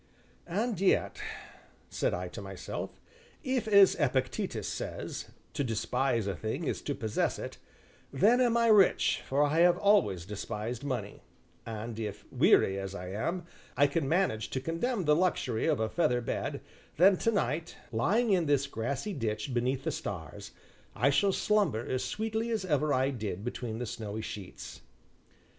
"And yet," said I to myself, "if, as Epictetus says 'to despise a thing is to possess it,' then am I rich, for I have always despised money; and if, weary as I am, I can manage to condemn the luxury of a feather bed, then tonight, lying in this grassy ditch beneath the stars, I shall slumber as sweetly as ever I did between the snowy sheets."